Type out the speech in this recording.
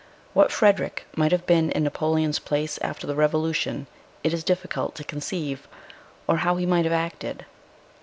What Frederic might have been in Napoleon's place after the Revolution it is difficult to conceive, or how he might have acted.